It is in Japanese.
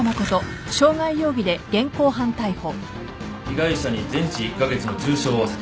被害者に全治１カ月の重傷を負わせた。